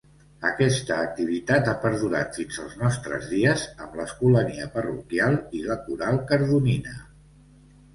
Aquesta activitat ha perdurat fins als nostres dies amb l'Escolania parroquial i la Coral Cardonina.